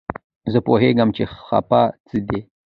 زه پوهېږم چې څپه څه ده.